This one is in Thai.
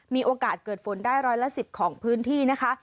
มีโอกาสเกิดฝนได้ร้อยละ๑๐ของพื้นที่นะคะ